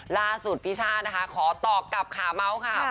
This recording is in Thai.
ล่าสุดพี่ช่านะคะขอตอบกับขาเมาส์ค่ะ